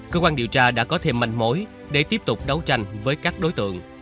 cơ quan điều tra đã có thêm manh mối để tiếp tục đấu tranh với các đối tượng